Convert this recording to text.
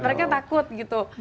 mereka takut gitu